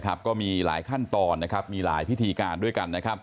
ก็มีหลายขั้นตอนมีหลายพิธีการด้วยกัน